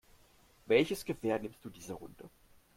Welches Gewehr nimmst du diese Runde?